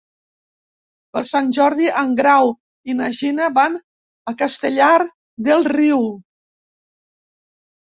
Per Sant Jordi en Grau i na Gina van a Castellar del Riu.